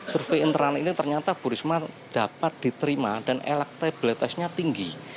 survei internal ini ternyata bu risma dapat diterima dan elektabilitasnya tinggi